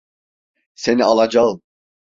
Seni alacağım.